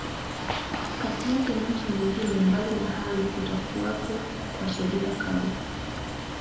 kati yake na nchi nyingine Mbali na hayo kutokuwapo kwa sheria kali